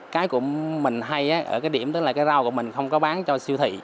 cái của mình hay ở cái điểm là rau của mình không có bán cho siêu thị